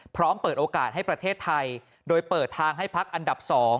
เปิดโอกาสให้ประเทศไทยโดยเปิดทางให้พักอันดับ๒